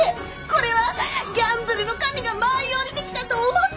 これはギャンブルの神が舞い降りてきたと思ったのよ！